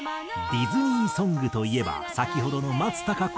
ディズニーソングといえば先ほどの松たか子をはじめ。